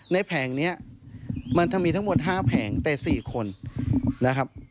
แผงนี้มันจะมีทั้งหมด๕แผงแต่๔คนนะครับ